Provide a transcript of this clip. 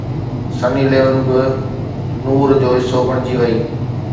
سني Leone به نور جو حصو بڻجي وئي